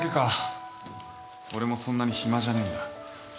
俺もそんなに暇じゃねえんだ。